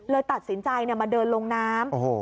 ตัดสินใจมาเดินลงน้ำ